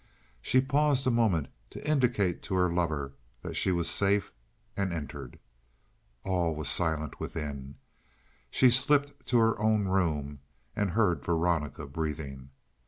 She paused a moment to indicate to her lover that she was safe, and entered. All was silent within. She slipped to her own room and heard Veronica breathing.